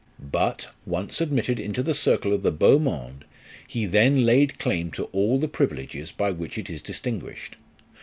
But, once admitted into the circle of the heau monde, he then laid claim to all the privileges by which it is distinguished.